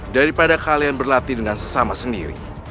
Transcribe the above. daripada kalian berlatih dengan sesama sendiri